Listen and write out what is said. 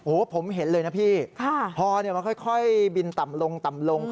โอ้ผมเห็นเลยนะพี่ฮอมาค่อยบินต่ำลง